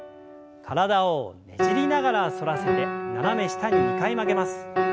体をねじりながら反らせて斜め下に２回曲げます。